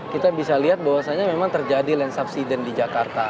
kita bisa lihat bahwasannya memang terjadi land subsidence di jakarta